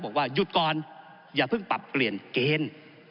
บอกว่าหยุดก่อนอย่าเพิ่งปรับเปลี่ยนเกณฑ์